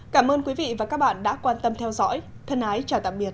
cảm ơn quý vị và các bạn đã quan tâm theo dõi thân ái chào tạm biệt